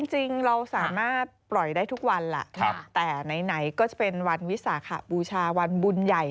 จริงเราสามารถปล่อยได้ทุกวันแหละแต่ไหนก็จะเป็นวันวิสาขบูชาวันบุญใหญ่